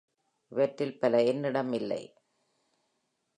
இவற்றில் பல என்னிடம் இல்லை.